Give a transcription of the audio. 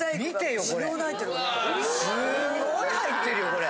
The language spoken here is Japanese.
すごい入ってるよこれ。